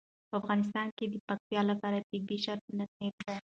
په افغانستان کې د پکتیا لپاره طبیعي شرایط مناسب دي.